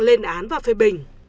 lên án và phê bình